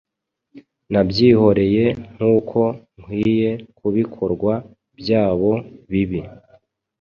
Nabyihoreye nkuko nkwiye kubikorwa byabo bibi